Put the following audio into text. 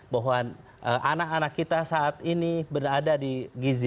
bahwa anak anak kita saat ini berada di gizi